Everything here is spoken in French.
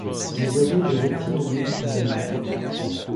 Des oiseaux et des reptiles endémiques y vivent.